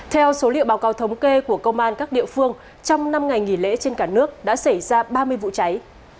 theo số liệu báo cáo thống kê của công an các địa phương trong năm ngày nghỉ lễ trên cả nước đã xảy ra ba mươi vụ cháy